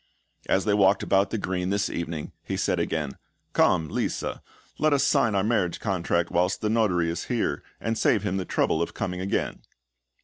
As they walked about the green this evening, he said again; "Come, Lisa, let us also sign our marriage contract whilst the Notary is here, and save him the trouble of coming again!"